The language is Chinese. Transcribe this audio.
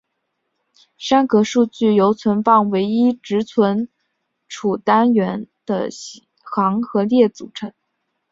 栅格数据由存放唯一值存储单元的行和列组成。